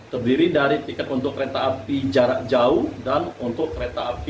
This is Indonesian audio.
terdiri dari tiket untuk kereta api jarak jauh dan untuk kereta api